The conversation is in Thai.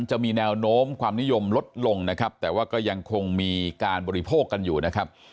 จะมีแนวโน้มความนิยมลดลงนะครับแต่ว่าก็ยังคงมีการบริโภคกันอยู่นะครับ